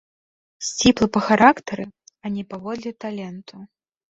Сціплы па характары, а не паводле таленту.